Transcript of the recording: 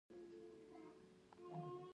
کوم چې تاسو خواشینی کوي.